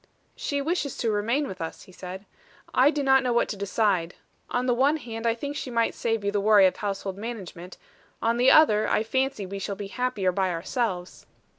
"She wishes to remain with us," he said. "I do not know what to decide. On the one hand I think she might save you the worry of household management; on the other, I fancy we shall be happier by ourselves."